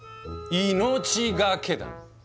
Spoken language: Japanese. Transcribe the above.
「いのちがけ」だ。